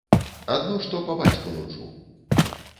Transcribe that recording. Адно, што па бацьку нуджу.